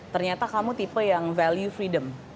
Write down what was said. ternyata kamu tipe yang value freedom